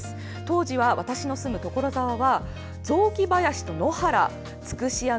当時は私の住む所沢は雑木林と野原でした。